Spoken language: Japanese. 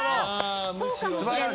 そうかもしれない。